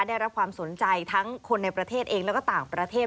ได้รับความสนใจทั้งคนในประเทศเองแล้วก็ต่างประเทศ